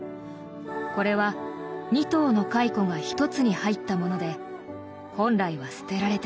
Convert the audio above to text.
これは２頭の蚕が一つに入ったもので本来は捨てられてしまう。